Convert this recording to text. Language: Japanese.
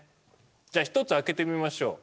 じゃあ１つ開けてみましょう。